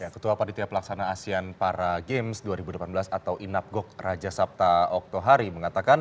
ketua panitia pelaksana asean para games dua ribu delapan belas atau inapgok raja sabta oktohari mengatakan